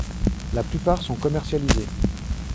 La plupart sont commercialisés.